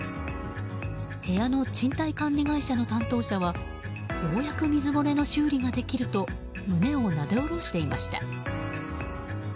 部屋の賃貸管理会社の担当者はようやく水漏れの修理ができると胸をなで下ろしていました。